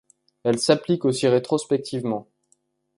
Elle s’applique aussi rétrospectivement.